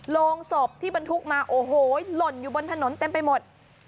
โรงศพที่บรรทุกมาโอ้โหหล่นอยู่บนถนนเต็มไปหมด